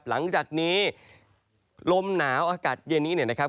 หลังจากนี้ลมหนาวอากาศเย็นนี้เนี่ยนะครับ